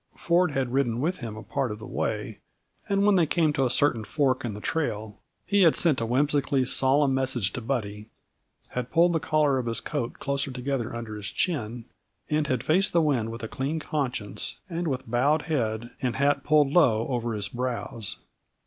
Ford had ridden with him a part of the way, and when they came to a certain fork in the trail, he had sent a whimsically solemn message to Buddy, had pulled the collar of his coat closer together under his chin, and had faced the wind with a clean conscience, and with bowed head and hat pulled low over his brows.